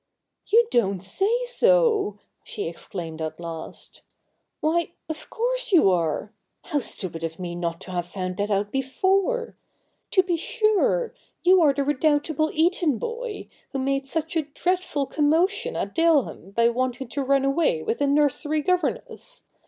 ' You don't say so !' she exclaimed at last. ' Why, of course you are How stupid of me not to have found that out before ! To be sure — you are the redoubtable Eton boy, who made such a dreadful commotion at Daleham by wanting to run away with the nursery governess.